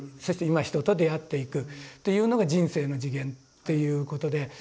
そして今人と出会っていくっていうのが人生の次元っていうことで。